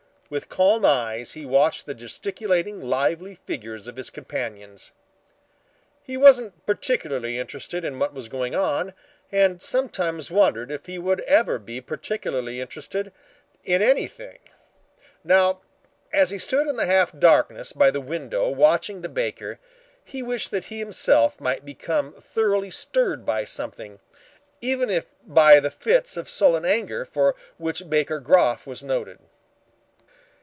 With calm eyes he watched the gesticulating lively figures of his companions. He wasn't particularly interested in what was going on, and sometimes wondered if he would ever be particularly interested in anything. Now, as he stood in the half darkness by the window watching the baker, he wished that he himself might become thoroughly stirred by something, even by the fits of sullen anger for which Baker Groff was noted.